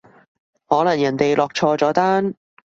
可能人哋落錯咗單